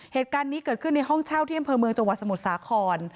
เหตุการณ์นี้เกิดขึ้นในห้องเช่าเที่ยวเมืองจวัสสมุทรศาคร